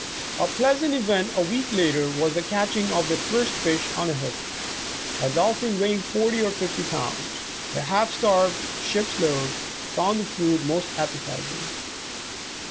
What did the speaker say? A pleasant event a week later, was the catching of their first fish on a hook, a dolphin weighing forty or fifty pounds. The " half starved ship's load" found the food most appetizing.